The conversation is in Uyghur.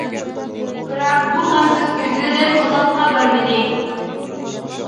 بىراق بۇ غەمسىز كۈنلىرىم ئۇزاققا بارمىدى.